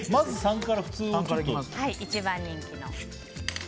一番人気の。